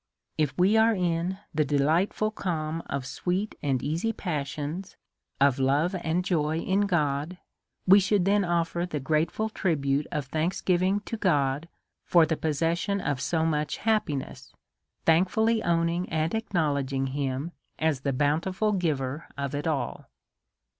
If we are in the delightful calm of sweet and easy passions, of love and joy in God, we should then offer the grateful tribute of thanksgiving to God for the 178 A SERIOUS CALL TO A possession of so much happiness, thankfully owning and acknowledging him as the bountiful Giver of it all.